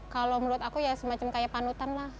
kalau menurut aku ya semacam kayak panutan lah